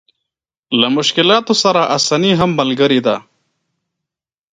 له مشکلاتو سره اساني هم ملګرې ده.